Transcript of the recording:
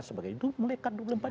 sebagai itu melekat dua puluh empat jam